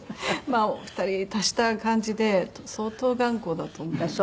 まあ２人足した感じで相当頑固だと思います。